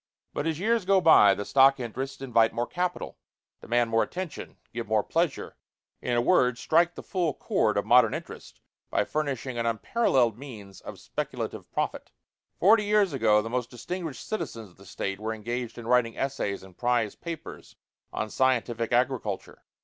But as years go by, the stock interests invite more capital, demand more attention, give more pleasure in a word, strike the full chord of modern interest by furnishing an unparalleled means of speculative profit. Forty years ago the most distinguished citizens of the State were engaged in writing essays and prize papers on scientific agriculture.